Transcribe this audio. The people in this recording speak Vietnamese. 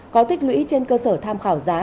có tích lũy trên cơ sở tham khảo giá